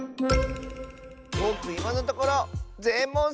ぼくいまのところぜん